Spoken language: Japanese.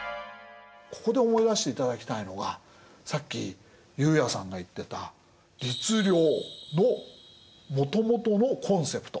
ここで思い出していただきたいのがさっき悠也さんが言ってた律令のもともとのコンセプト。